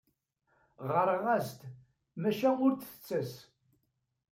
Ɣɣareɣ-as-d, maca ur d-tettas.